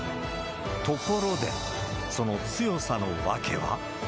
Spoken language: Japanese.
ところで、その強さの訳は。